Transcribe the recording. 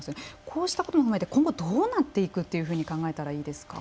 こうしたことを踏まえて今後どうなっていくというふうに考えたらいいですか？